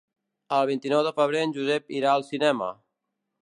El vint-i-nou de febrer en Josep irà al cinema.